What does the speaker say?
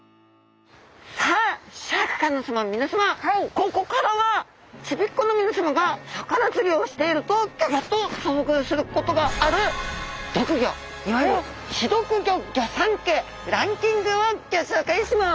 ここからはちびっ子の皆さまが魚釣りをしているとギョギョッと遭遇することがある毒魚いわゆる刺毒魚ギョ三家ランキングをギョ紹介します。